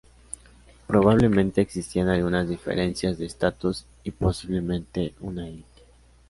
Probablemente existían algunas diferencias de estatus y, posiblemente, una elite.